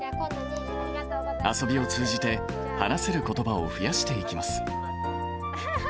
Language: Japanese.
遊びを通じて、話せることばを増やしていきます。